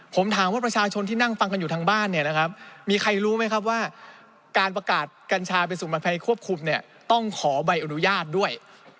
ผมถามว่าประชาชนที่นั่งฟังกันอยู่ทางบ้านเนี่ยนะครับมีใครรู้ไหมครับว่าการประกาศกัญชาไปสู่ประภัยควบคุมเนี่ยต้องขอใบอนุญาตด้วย